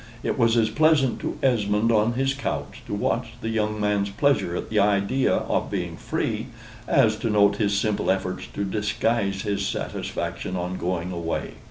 It was as pleasant to Esmond on his couch to watch the young man's pleasure at the idea of being free, as to note his simple efforts to disguise his satisfaction on going away.